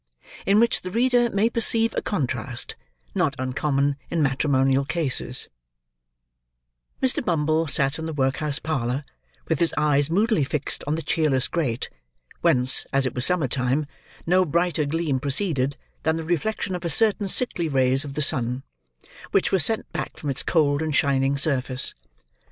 IN WHICH THE READER MAY PERCEIVE A CONTRAST, NOT UNCOMMON IN MATRIMONIAL CASES Mr. Bumble sat in the workhouse parlour, with his eyes moodily fixed on the cheerless grate, whence, as it was summer time, no brighter gleam proceeded, than the reflection of certain sickly rays of the sun, which were sent back from its cold and shining surface.